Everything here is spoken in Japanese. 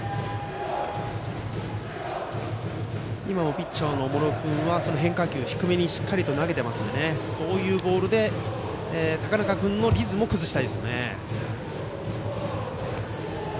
ピッチャーの茂呂君は変化球低めにしっかり投げていますのでそういうボールで高中君のリズムを崩したいですね。